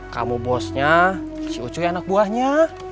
kamu bosnya si ucunya anak buahnya